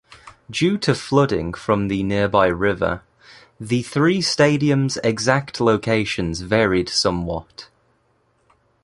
Due to flooding from the nearby river, the three stadiums' exact locations varied somewhat.